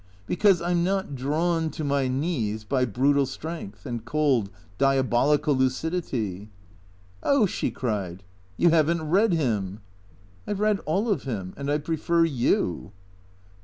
" Because I 'm not drawn — to my knees — by brutal strength and cold, diabolical lucidity." " Oh," she cried, " you have n't read him." " I 've read all of him. And I prefer you."